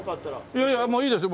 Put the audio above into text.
いやいやいいですよ。